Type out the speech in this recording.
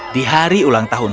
di hari ulang tahun